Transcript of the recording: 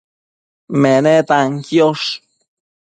menetan quiosh